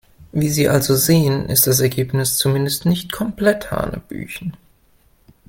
Wie Sie also sehen, ist das Ergebnis zumindest nicht komplett hanebüchen.